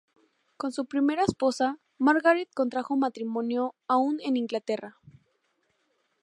Con su primera esposa, Margaret, contrajo matrimonio aun en Inglaterra.